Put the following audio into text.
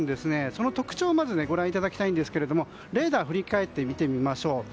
その特徴をまずご覧いただきたいんですがレーダーを振り返って見てみましょう。